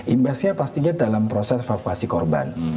imbasnya pastinya dalam proses evakuasi korban